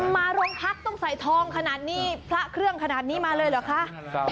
มาโรงพักต้องใส่ทองขนาดนี้พระเครื่องขนาดนี้มาเลยเหรอคะ